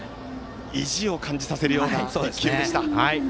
意地を感じさせるような１球でした。